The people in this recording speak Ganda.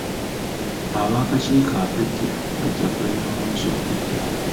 Ab'akakiiko akaggya bajja kulayira omwezi ogujja.